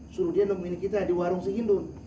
suruh dia nomin kita di warung sehindun